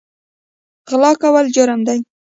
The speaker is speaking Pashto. غلا کول جرم دی